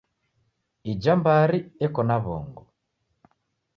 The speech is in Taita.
Ija mbari eko na w'ongo.